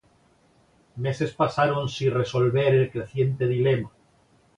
Meses pasaron si resolver el creciente dilema.